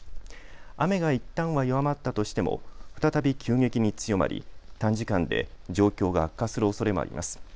雨がいったんは弱まったとしても再び急激に強まり短時間で状況が悪化するおそれもあります。